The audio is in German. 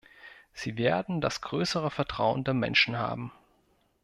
Sie werden das größere Vertrauen der Menschen haben.